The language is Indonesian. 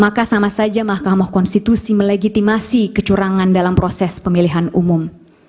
maka sama saja mahkamah konstitusi melegitimasi kecurangan dalam proses pemilihan umum